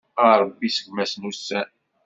A Ṛebbi seggem-as ussan.